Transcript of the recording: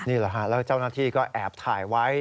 นี่แหละฮะแล้วเจ้าหน้าที่ก็แอบถ่ายไว้